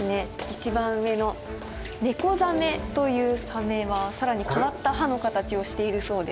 一番上のネコザメというサメはさらに変わった歯の形をしているそうです。